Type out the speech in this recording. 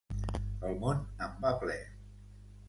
El món en va ple!